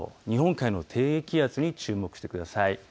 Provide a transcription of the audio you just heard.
日本海の低気圧に注目してください。